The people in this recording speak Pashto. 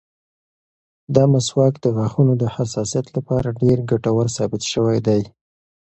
دا مسواک د غاښونو د حساسیت لپاره ډېر ګټور ثابت شوی دی.